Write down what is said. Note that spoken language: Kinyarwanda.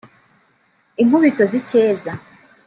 Inkubito z’Icyeza